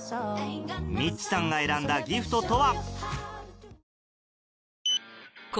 ミチさんが選んだギフトとは？